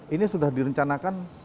ini sudah direncanakan